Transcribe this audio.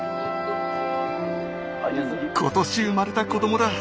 今年生まれた子どもだ！